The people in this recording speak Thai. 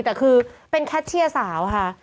แต่คือเป็นแคชเชียร์สาวค่ะ